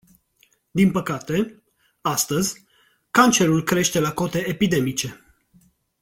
Din păcate, astăzi, cancerul crește la cote epidemice.